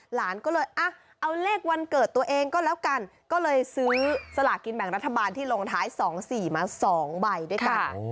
หลานก็เลยเอาเลขวันเกิดตัวเองก็แล้วกันก็เลยซื้อสลากกินแบ่งรัฐบาลที่ลงท้าย๒๔มา๒ใบด้วยกัน